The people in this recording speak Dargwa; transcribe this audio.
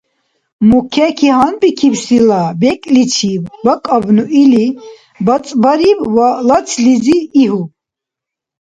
«Мукеки гьанбикибсила бекӀличиб бакӀабну» или, бацӀбариб ва лацлизи игьуб.